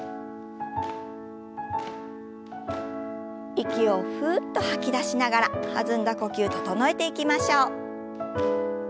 息をふうっと吐き出しながら弾んだ呼吸整えていきましょう。